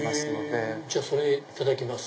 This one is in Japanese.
じゃあそれいただきます。